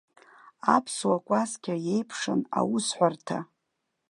Аԥсуа кәасқьа еиԥшын аусҳәарҭа.